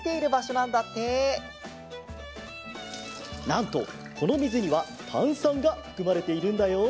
なんとこのみずにはたんさんがふくまれているんだよ。